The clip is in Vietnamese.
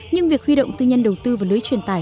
nhưng việc khuy động tư nhân đầu tư và lưới truyền tài